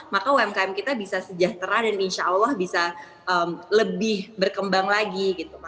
maka umkm kita bisa sejahtera dan insya allah bisa lebih berkembang lagi